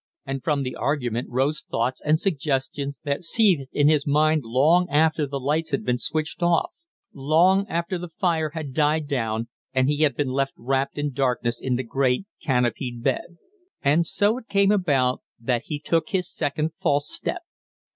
And from the argument rose thoughts and suggestions that seethed in his mind long after the lights had been switched off, long after the fire had died down and he had been left wrapped in darkness in the great canopied bed. And so it came about that he took his second false step.